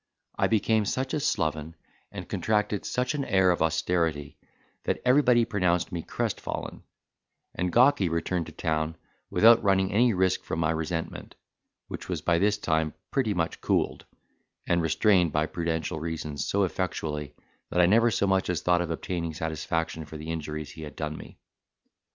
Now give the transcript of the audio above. I became such a sloven, and contracted such an air of austerity, that everybody pronounced me crestfallen; and Gawky returned to town without running any risk from my resentment, which was by this time pretty much cooled, and restrained by prudential reasons so effectually that I never so much as thought of obtaining satisfaction for the injuries he had done me.